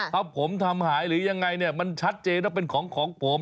ถ้าผมทำหายหรือยังไงเนี่ยมันชัดเจนว่าเป็นของของผม